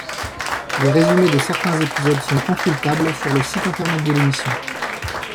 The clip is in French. Les résumés de certains épisodes sont consultables sur le site internet de l'émission.